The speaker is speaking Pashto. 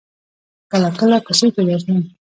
کله کله کوڅې ته درځم.